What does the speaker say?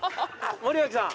森脇さん！